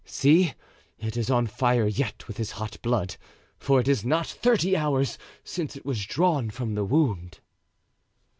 See, it is on fire yet with his hot blood, for it is not thirty hours since it was drawn from the wound."